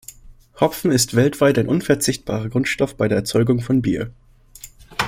Hopfen ist weltweit ein unverzichtbarer Grundstoff bei der Erzeugung von Bier.